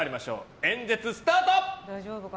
演説スタート。